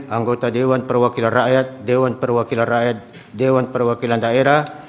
anggota dewan perwakilan rakyat dewan perwakilan rakyat dewan perwakilan daerah